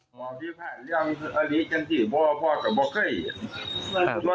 พ่อบอกว่ารุนแรงเกินไปในขณะที่พ่อให้ข้อมูลว่า